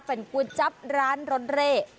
เป็นก๋วยจับร้านรถเร่